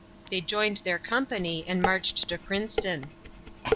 They joined their company and marched to Princeton.